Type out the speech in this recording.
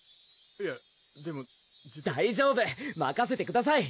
いやでも大丈夫まかせてください！